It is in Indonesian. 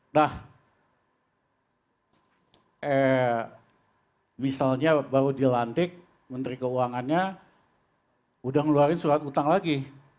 nah misalnya baru dilantik menteri keuangannya udah ngeluarin surat utang lagi